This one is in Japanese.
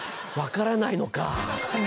分からないのか。